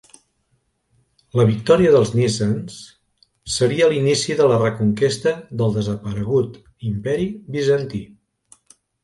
La victòria dels nicens seria l'inici de la reconquesta del desaparegut Imperi Bizantí.